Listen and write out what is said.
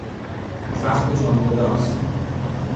زخم جانگداز